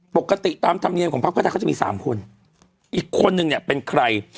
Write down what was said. ปกติตามธรรมเนียมของพักเพื่อไทยเขาจะมีสามคนอีกคนนึงเนี่ยเป็นใคร